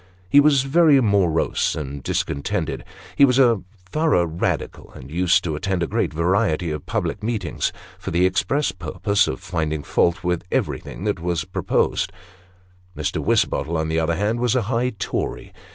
He was very morose and discontented. Ho was a thorough Radical, and used to attend a great variety of public meetings, for the express purpose of finding fault with everything that was proposed. Mr. Wisbottle, on the other hand, was a high Tory.